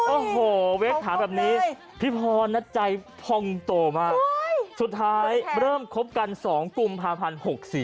โอ้โหเวคถามแบบนี้พี่พรนะใจพองโตมากสุดท้ายเริ่มคบกัน๒กุมภาพันธ์๖๔